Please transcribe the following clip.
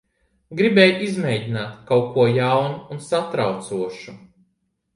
Gribēju izmēģināt kaut ko jaunu un satraucošu.